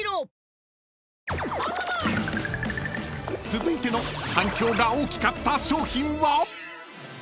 ［続いての反響が大きかった商品は？］